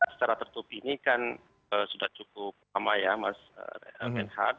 secara tertutup ini kan sudah cukup lama ya mas menhan